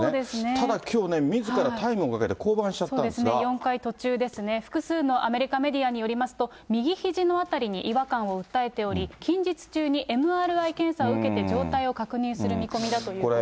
ただきょうね、みずからタイムをかけて降板しちゃったんですそうですね、４回途中ですね、複数のアメリカメディアによりますと、右ひじの辺りに違和感を訴えており、近日中にＭＲＩ検査を状態を確認する見込みだということです。